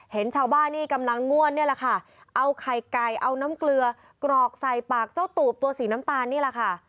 เห็นชาวบ้านนี่กำลังง่วนเนี่ยแหละค่ะเอาไข่ไก่เอาน้ำเกลือกรอกใส่ปากเจ้าตูบตัวสีน้ำตาลนี่แหละค่ะ